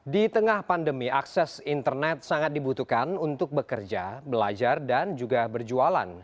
di tengah pandemi akses internet sangat dibutuhkan untuk bekerja belajar dan juga berjualan